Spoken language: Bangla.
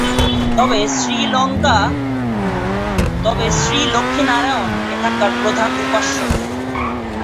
তবে শ্রী লক্ষ্মীনারায়ণ এখানকার প্রধান উপাস্য।